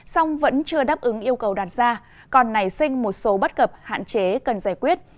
song vẫn chưa đáp ứng yêu cầu đặt ra còn nảy sinh một số bất cập hạn chế cần giải quyết